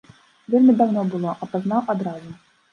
Вельмі даўно было, а пазнаў адразу.